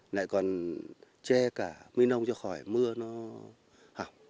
lại còn che cả mươi nông cho khỏi mưa nó hỏng